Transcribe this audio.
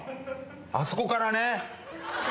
あそこからね！